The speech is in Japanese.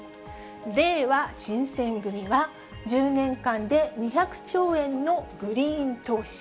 れいわ新選組は、１０年間で２００兆円のグリーン投資。